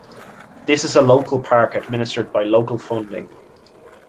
This is a local park administered by local funding.